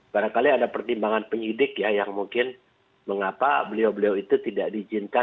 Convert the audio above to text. barangkali ada pertimbangan penyidik ya yang mungkin mengapa beliau beliau itu tidak diizinkan